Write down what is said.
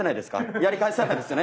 やり返さないですよね？